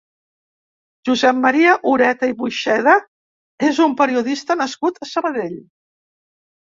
Josep Maria Ureta i Buxeda és un periodista nascut a Sabadell.